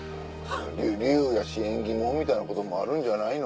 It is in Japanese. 竜やし縁起物みたいなこともあるんじゃないの？